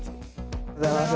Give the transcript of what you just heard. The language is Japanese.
おはようございます。